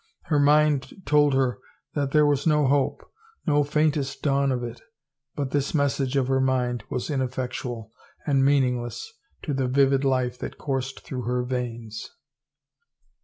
Her mind told her that there was no hope, no faintest dawn of it, but this message of her mind was ineffectual and meaningless to the vivid life that coursed through her veins.